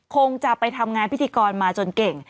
คงจะไปทำงานพิธีกรมาจนเก่ง